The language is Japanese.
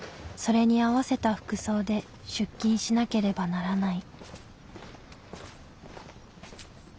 それに合わせた服装で出勤しなければならない。